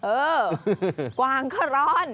เออกวางก็ร้อน